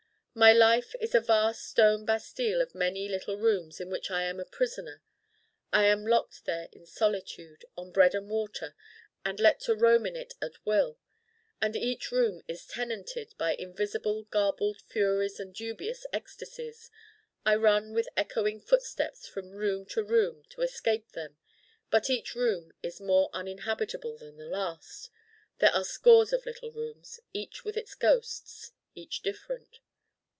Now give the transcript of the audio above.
My life is a vast stone bastile of many little Rooms in which I am a prisoner. I am locked there in solitude on bread and water and let to roam in it at will. And each Room is tenanted by invisible garbled furies and dubious ecstasies. I run with echoing footsteps from Room to Room to escape them: but each Room is more unhabitable than the last. There are scores of little Rooms, each with its ghosts, each different.